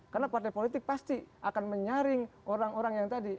karena partai politik pasti akan menyaring orang orang yang tadi